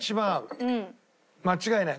間違いない。